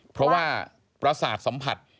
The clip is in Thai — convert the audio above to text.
เพราะว่าประสาทสัมผัส